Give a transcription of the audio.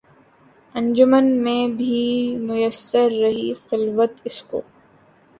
انجمن میں بھی میسر رہی خلوت اس کو